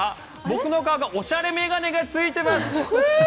僕の顔がおしゃれ眼鏡がついてますフー！